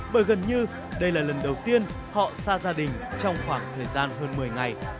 bởi gần như đây là lần đầu tiên họ xa gia đình trong khoảng thời gian hơn một mươi ngày